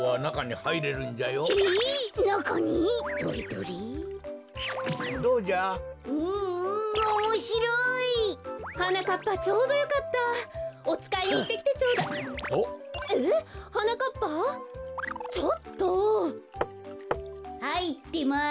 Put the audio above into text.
はいってます。